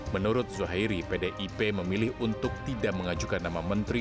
menurut zuhairi pdip memilih untuk tidak mengajukan nama menteri